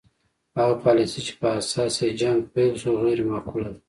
هغه پالیسي چې په اساس یې جنګ پیل شو غیر معقوله ده.